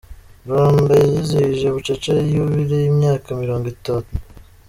Rwanda yizihije bucece yubile y’imyaka mirongo itanu